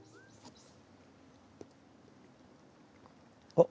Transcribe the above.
あっ。